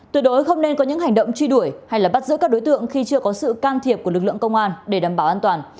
tuyệt đối không nên có những hành động truy đuổi hay bắt giữ các đối tượng khi chưa có sự can thiệp của lực lượng công an để đảm bảo an toàn